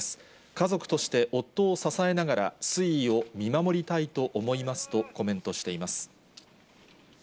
家族として、夫を支えながら推移を見守りたいと思いますとコメントしています。